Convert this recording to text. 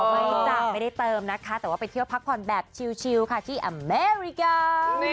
ไม่จ้ะไม่ได้เติมนะคะแต่ว่าไปเที่ยวพักผ่อนแบบชิลค่ะที่แอมอเมริกา